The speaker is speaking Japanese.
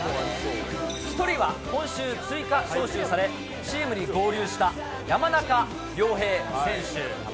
１人は今週、追加招集され、チームに合流した山中亮平選手。